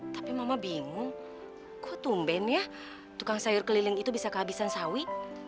tapi mama bingung kok tumben ya tukang sayur keliling itu bisa kehabisan sawi